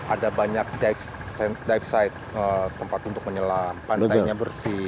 ada banyak dive site tempat untuk menyelam pantainya bersih